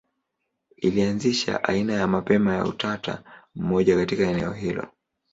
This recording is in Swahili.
Ilianzisha aina ya mapema ya utatu mmoja katika eneo hilo.